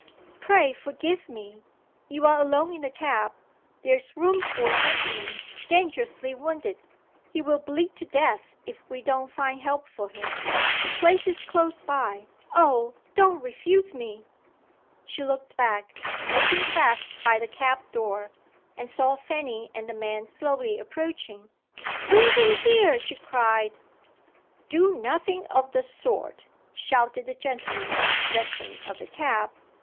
"Pray forgive me you are alone in the cab there is room for a gentleman, dangerously wounded he will bleed to death if we don't find help for him the place is close by oh, don't refuse me!" She looked back, holding fast by the cab door, and saw Fanny and the men slowly approaching. "Bring him here!" she cried. "Do nothing of the sort!" shouted the gentleman in possession of the cab.